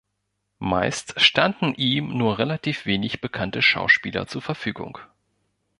Meist standen ihm nur relativ wenig bekannte Schauspieler zur Verfügung.